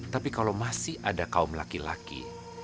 tapi kalau masih ada kaum laki laki